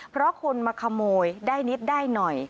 เพราะคนมาขโมยได้นิดได้หน่อย